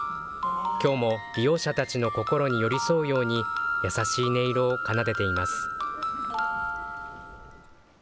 きょうも利用者たちの心に寄り添うように、優しい音色を奏でています。